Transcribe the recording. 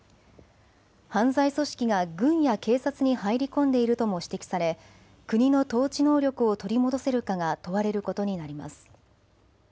犯罪組織が軍や警察に入り込んでいるとも指摘され国の統治能力を取り戻せるかが問われることになります。